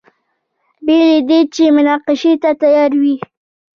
بې له دې چې مناقشې ته تیار وي.